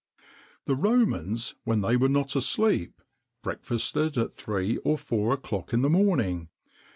[XXIX 37] The Romans, when they were not asleep, breakfasted at three or four o'clock in the morning.